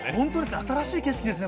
新しい景色ですね。